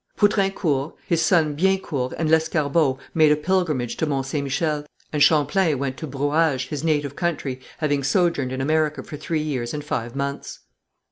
Poutrincourt, his son Biencourt, and Lescarbot made a pilgrimage to Mont St. Michel, and Champlain went to Brouage, his native country, having sojourned in America for three years and five months.